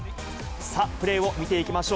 さあ、プレーを見ていきましょう。